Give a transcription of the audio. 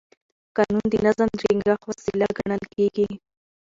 قانون د نظم د ټینګښت وسیله ګڼل کېږي.